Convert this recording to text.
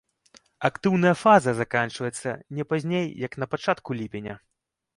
Актыўная фаза заканчваецца не пазней як на пачатку ліпеня.